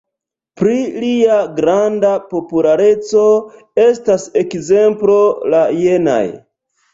Pri lia granda populareco estas ekzemplo la jenaj.